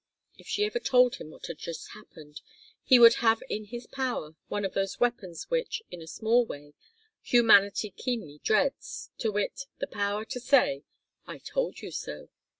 If she ever told him what had just happened he would have in his power one of those weapons which, in a small way, humanity keenly dreads, to wit, the power to say "I told you so."